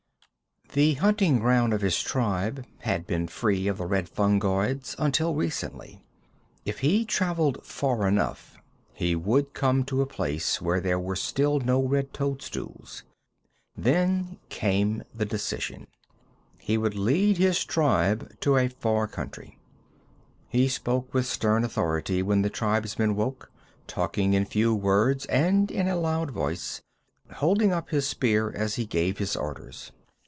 The hunting ground of his tribe had been free of the red fungoids until recently. If he traveled far enough he would come to a place where there were still no red toadstools. Then came the decision. He would lead his tribe to a far country. He spoke with stern authority when the tribesmen woke, talking in few words and in a loud voice, holding up his spear as he gave his orders.